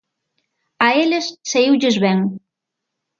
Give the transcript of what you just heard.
A eles saíulles ben.